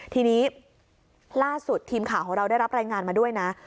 ทีนี้ล่าสุดทีมข่าวของเราได้รับรายงานมาด้วยนะ